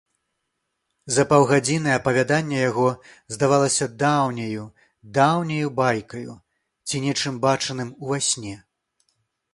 За паўгадзіны апавяданне яго здавалася даўняю, даўняю байкаю ці нечым бачаным ува сне.